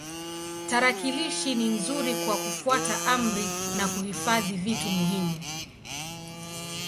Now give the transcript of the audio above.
Tarakilishi ni nzuri kwa kufuata amri na kuhifadhi vitu muhimu.